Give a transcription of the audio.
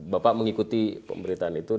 bapak mengikuti pemberitaan itu